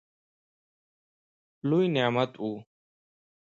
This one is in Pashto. لوی نعمت وو.